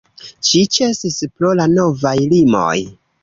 Ĝi ĉesis pro la novaj limoj.